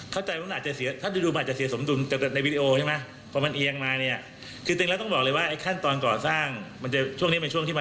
เป็นเลื่อนไปเรื่อยถึงลิเวอร์ลอนเชอร์